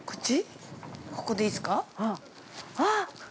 ◆ここでいいっすか。